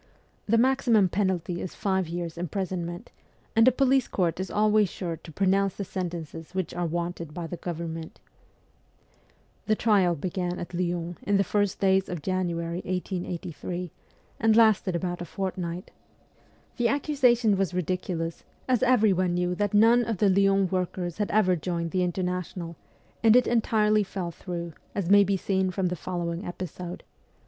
The maximum penalty is five years' imprison ment ; and a police court is always sure to pronounce the sentences which are wanted by the government. The trial began at Lyons in the first days of January 1883, and lasted about a fortnight. The accusation was ridiculous, as everyone knew that none of the Lyons workers had ever joined the Inter national, and it entirely fell through, as may be seen from the following episode.